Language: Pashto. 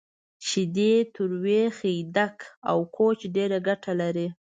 شیدې، تروی، خیدک، او کوچ ډیره ګټه لری